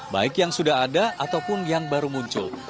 baik yang sudah ada ataupun yang baru muncul